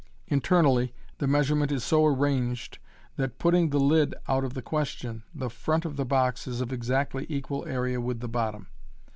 Internally, the measurement is so arranged that, putting the lid out of the question, the front of the box is of exactly equal area with the bottom.